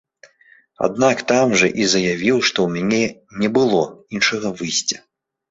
Аднак там жа і заявіў, што ў мяне не было іншага выйсця.